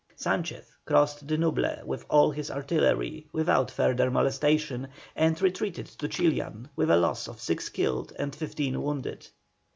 Sanchez crossed the Nuble with all his artillery, without further molestation, and retreated to Chillán, with a loss of six killed and fifteen wounded.